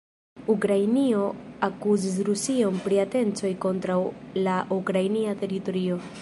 Ukrainio akuzis Rusion pri atencoj kontraŭ la ukrainia teritorio.